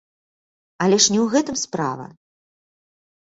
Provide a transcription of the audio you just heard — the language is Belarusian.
Але ж не ў гэтым справа.